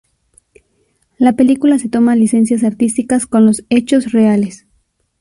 La película se toma licencias artísticas con los hechos reales.